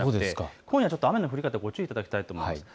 今夜の雨の降り方ご注意いただきたいと思います。